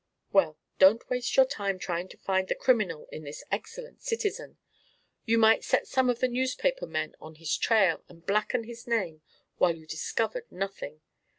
"Well, don't waste your time trying to find the criminal in this excellent citizen. You might set some of the newspaper men on his trail and blacken his name while you discovered nothing.